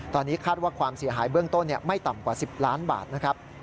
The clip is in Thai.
ตอนนี้คาดว่าความเสียหายเบื้องต้นไม่ต่ำกว่า๑๐ล้านบาทนะครับ